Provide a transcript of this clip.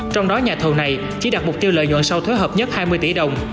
trong đó nhà thầu này chỉ đặt mục tiêu lợi nhuận sau thuế hợp nhất hai mươi tỷ đồng